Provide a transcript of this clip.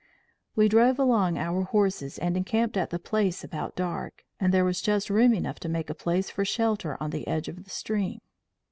We drove along our horses, and encamped at the place about dark, and there was just room enough to make a place for shelter on the edge of the stream.